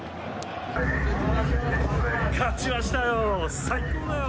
勝ちましたよ。